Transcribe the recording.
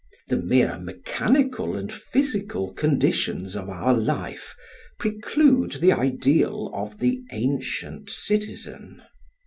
The mere mechanical and physical conditions of our life preclude the ideal of the ancient citizen.